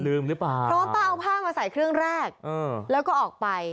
ที่ป้าพอป้าเอาผ้ามาใส่เครื่องแรกแล้วก็ออกไป